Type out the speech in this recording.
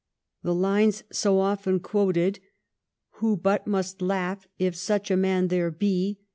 The lines so often quoted : "Who but must laugh, if such a man there be